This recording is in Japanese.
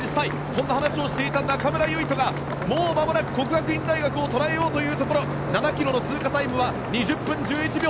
そんな話をしていた中村唯翔がもうまもなく國學院大學を捉えようというところ７ｋｍの通過タイムは２０分１１秒。